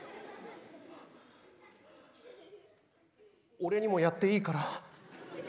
俺にもやっていいから。